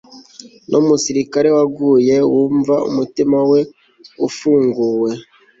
Numusirikare waguye wumva umutima we ufunguye